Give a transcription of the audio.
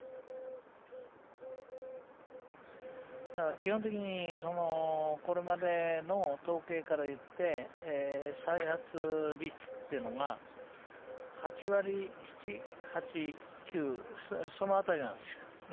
基本的にこれまでの統計からいって再発率っていうのが８割７８９その辺りなんですよ。